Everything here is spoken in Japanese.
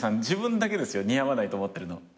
自分だけですよ似合わないと思ってるの。